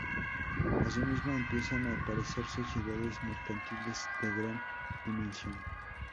Asimismo empiezan a aparecer sociedades mercantiles de gran dimensión.